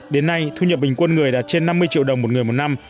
đến nay thu nhập bình quân người đạt trên năm mươi triệu đồng một người một năm